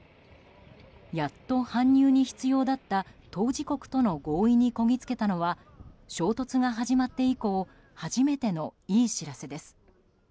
やっと、搬入に必要だった当事国との合意にこぎつけたのは衝突が始まって以降初めてのいい知らせです。